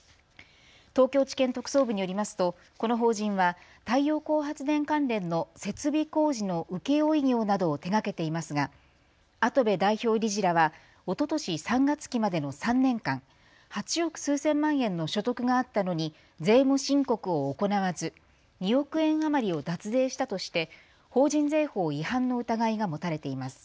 東京地検特捜部によりますとこの法人は太陽光発電関連の設備工事の請負業などを手がけていますが跡部代表理事らはおととし３月期までの３年間、８億数千万円の所得があったのに税務申告を行わず、２億円余りを脱税したとして法人税法違反の疑いが持たれています。